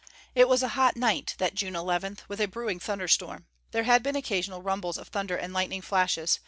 It was a hot night, that June 11th, with a brewing thunderstorm. There had been occasional rumbles of thunder and lightning flashes.